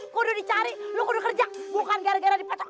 kok udah dicari lo udah kerja bukan gara gara dipotong